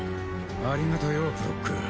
ありがとよブロック。